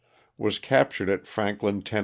Was captured at Franklin, Tenn.